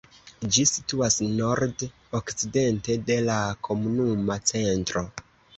Ĝi situas nord-okcidente de la komunuma centro.